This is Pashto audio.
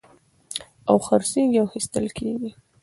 او خرڅېږي او اخيستل کېږي.